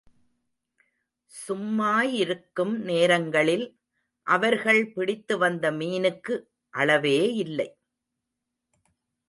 சும்மாயிருக்கும் நேரங்களில் அவர்கள் பிடித்து வந்த மீனுக்கு அளவேயில்லை.